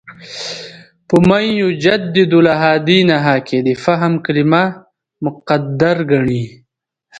په «مَن یُجَدِّدُ لَهَا دِینَهَا» کې د «فهم» کلمه مقدر ګڼي.